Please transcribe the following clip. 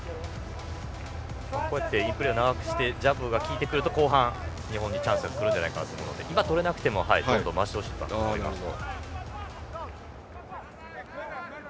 こうしてインプレーを長くしてジャブが効いてくると後半、日本にチャンスが来るんじゃないかなと思うので今、とれなくてもどんどん回してほしいですね。